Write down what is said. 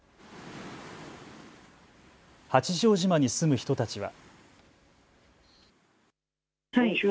八丈島に住む人たちは。